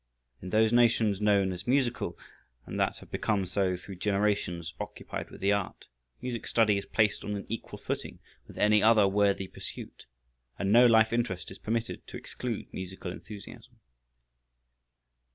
In those nations known as musical, and that have become so through generations occupied with the art, music study is placed on an equal footing with any other worthy pursuit and no life interest is permitted to exclude musical enthusiasm.